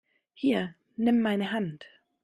Hier, nimm meine Hand!